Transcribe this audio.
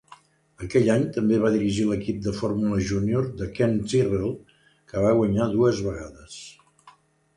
Aquell any, també va dirigir l'equip de Fórmula Junior de Ken Tyrrell, que va guanyar dues vegades.